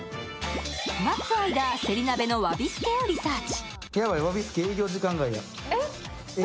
待つ間、せり鍋の侘び助をリサーチ。